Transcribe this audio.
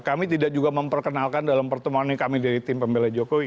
kami tidak juga memperkenalkan dalam pertemuan ini kami dari tim pembela jokowi